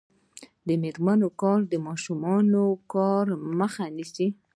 د میرمنو کار د ماشوم کار مخه نیسي.